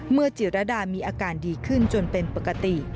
จิรดามีอาการดีขึ้นจนเป็นปกติ